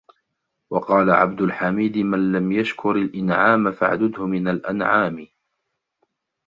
وَقَالَ عَبْدُ الْحَمِيدِ مَنْ لَمْ يَشْكُرْ الْإِنْعَامَ فَاعْدُدْهُ مِنْ الْأَنْعَامِ